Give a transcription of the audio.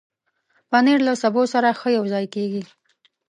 پنېر له سبو سره ښه یوځای کېږي.